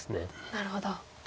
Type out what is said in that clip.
なるほど。